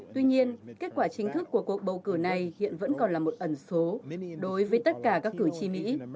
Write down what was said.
tuy nhiên kết quả chính thức của cuộc bầu cử này hiện vẫn còn là một ẩn số đối với tất cả các cử tri mỹ